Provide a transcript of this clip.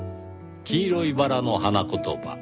黄色いバラの花言葉。